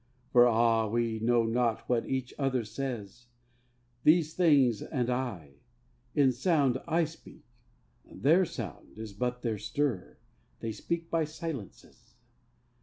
For ah! we know not what each other says, These things and I; in sound I speak Their sound is but their stir, they speak by silences.